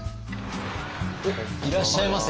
おっいらっしゃいませ。